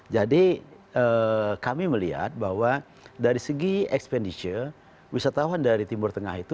jadi kami melihat bahwa dari segi expenditure wisatawan dari timur tengah itu